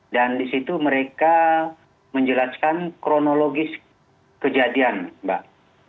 dan di situ mereka menjelaskan kronologis kejadian mbak